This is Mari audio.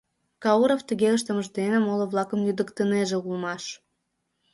Кауров тыге ыштымыж дене моло-влакым лӱдыктынеже улмаш.